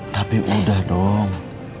tapi udah dong